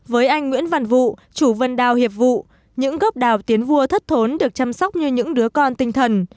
với anh nguyễn văn vụ chủ vườn đào hiệp vụ những gốc đào tiến vua thất thốn được chăm sóc như những đứa con tinh thần